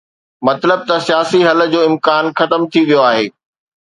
مطلب ته سياسي حل جو امڪان ختم ٿي ويو آهي.